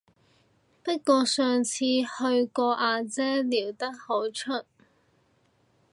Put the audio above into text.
不過上次去個阿姐撩得好出